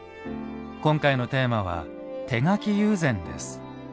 今回のテーマは「手描き友禅」です。